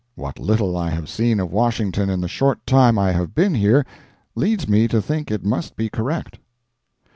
What little I have seen of Washington in the short time I have been here, leads me to think it must be correct.